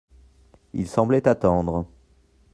Il semblait attendre.